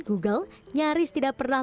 google nyaris tidak pernah